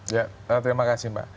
ya terima kasih mbak